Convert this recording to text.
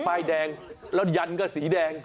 ไฟแดงแล้วยันก็สีแดง